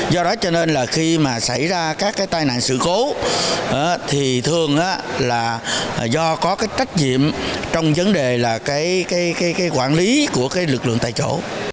do đó cho nên là khi mà xảy ra các cái tai nạn sự cố thì thường là do có cái trách nhiệm trong vấn đề là cái quản lý của cái lực lượng tại chỗ